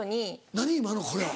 何今のこれは。